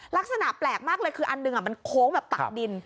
ลักษณะแปลกมากเลยคืออันหนึ่งมันโค้งแบบตักดิน